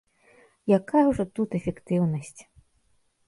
Якая ўжо тут эфектыўнасць!